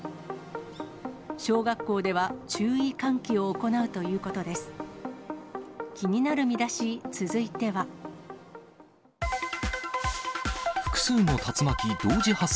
小学校では注意喚起を行うということです。